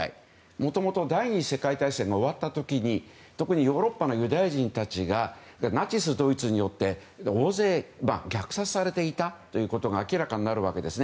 もともと第２次世界大戦が終わった時に特にヨーロッパのユダヤ人たちがナチスドイツによって大勢虐殺されていたということが明らかになるわけです。